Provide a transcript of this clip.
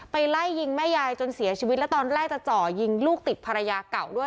ไล่ยิงแม่ยายจนเสียชีวิตแล้วตอนแรกจะเจาะยิงลูกติดภรรยาเก่าด้วย